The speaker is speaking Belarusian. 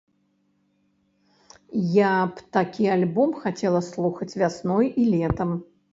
Я б такі альбом хацела слухаць вясной і летам.